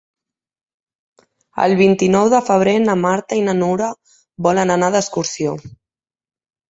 El vint-i-nou de febrer na Marta i na Nura volen anar d'excursió.